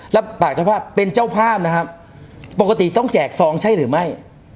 รับปากเจ้าภาพเป็นเจ้าภาพนะครับปกติต้องแจกซองใช่หรือไม่